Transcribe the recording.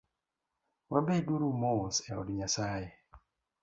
Wabed uru mos eod Nyasaye